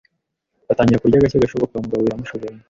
batangira kurya gacye gashoboka, umugabo biramushobera,